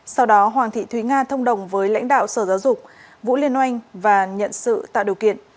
sau đó hoàng thị thúy nga thông đồng với lãnh đạo sở giáo dục vũ liên oanh và nhận sự tạo điều kiện